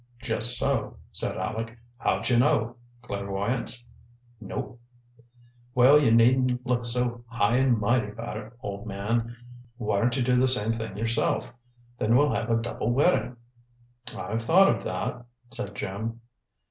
"Just so," said Aleck. "How'd you know? Clairvoyance?" "Nope." "Well, you needn't look so high and mighty about it, old man. Why don't you do the same thing yourself? Then we'll have a double wedding." "I've thought of that," said Jim.